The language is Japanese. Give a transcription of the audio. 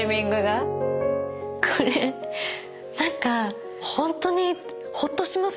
これ何かホントにホッとしますよね。